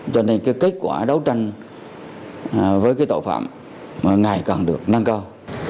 cho nên kết quả đấu tranh với tội phạm ngày càng được nâng cao